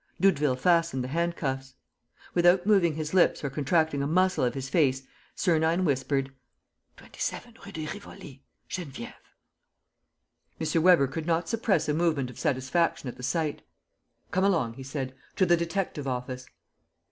Doudeville fastened the handcuffs. Without moving his lips or contracting a muscle of his face, Sernine whispered: "27, Rue de Rivoli ... Geneviève. ..." M. Weber could not suppress a movement of satisfaction at the sight: "Come along!" he said. "To the detective office!"